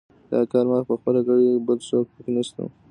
دا کار ما پخپله کړی، بل څوک پکې نشته.